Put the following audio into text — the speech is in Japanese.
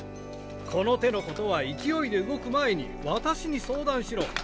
この手のことは勢いで動く前に私に相談しろ。